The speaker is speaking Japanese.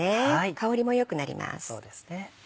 香りも良くなります。